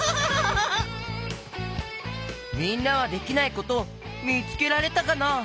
みんなはできないことみつけられたかな？